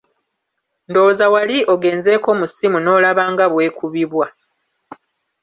Ndowooza wali ogenzeeko mu ssimu n'olaba nga bw'ekubibwa.